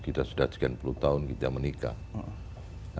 kita sudah sekian puluh tahun kita menikah